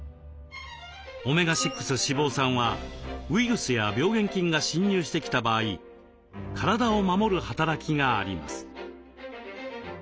オメガ６脂肪酸はウイルスや病原菌が侵入してきた場合体を守る働きがあります。